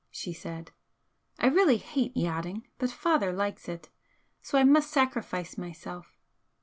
she said "I really hate yachting, but father likes it, so I must sacrifice myself."